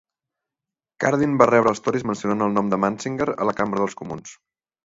Cardin va rebatre els Tories mencionant el nom de Munsinger a la Cambra dels Comuns.